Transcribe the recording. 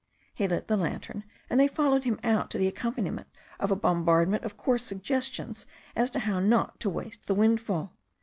He lit the lantern, and they followed him out to the ac companiment of a bombardment of coarse suggestions as to how not to waste the windfall.